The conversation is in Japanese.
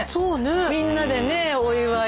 みんなでねお祝い。